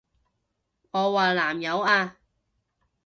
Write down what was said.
我話南柚啊！